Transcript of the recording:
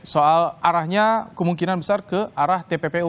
soal arahnya kemungkinan besar ke arah tppu